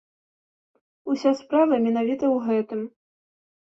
Уся справа менавіта ў гэтым.